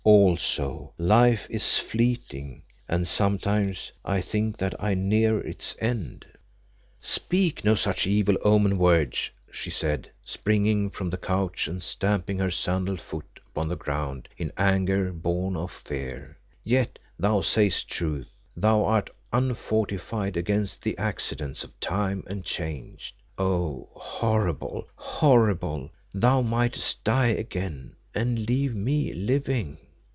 Also, life is fleeting, and sometimes I think that I near its end." "Speak no such evil omened words," she said, springing from the couch and stamping her sandalled foot upon the ground in anger born of fear. "Yet thou sayest truth; thou art unfortified against the accidents of time and chance. Oh! horrible, horrible; thou mightest die again, and leave me living."